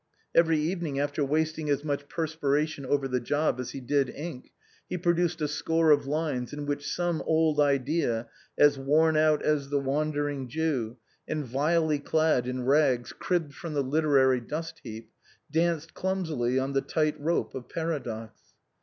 Every evening, after wasting as much perspiration over the job as he did ink, he produced a score of lines in which some old idea, as worn out as the Wandering Jew, and vilely clad in rags cribbed from the literary dust heap, danced clumsily on the tight rope of paradox.